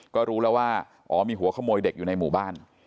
ก็รู้แล้วว่าอ๋อมีหัวขโมยเด็กอยู่ในหมู่บ้าน